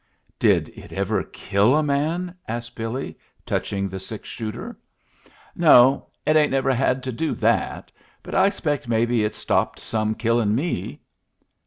"Did it ever kill a man?" asked Billy, touching the six shooter. "No. It ain't never had to do that, but I expect maybe it's stopped some killin' me."